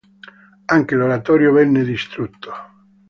Anche l'oratorio venne distrutto.